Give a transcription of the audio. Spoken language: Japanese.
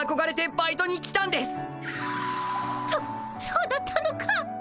そそうだったのか。